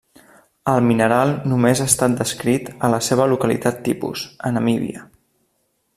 El mineral només ha estat descrit a la seva localitat tipus, a Namíbia.